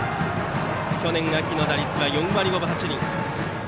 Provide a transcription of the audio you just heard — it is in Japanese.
去年秋の打率は４割５分８厘。